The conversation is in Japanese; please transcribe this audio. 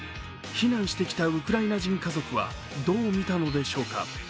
避難してきたウクライナ人家族はどう見たのでしょうか。